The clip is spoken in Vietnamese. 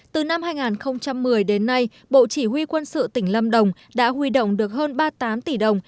từ năm hai nghìn một mươi đến nay bộ chỉ huy quân sự tỉnh lâm đồng đã huy động được hơn ba mươi tám tỷ đồng